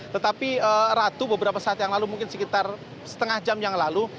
tetapi ratu beberapa saat yang lalu mungkin sekitar setengah jam yang lalu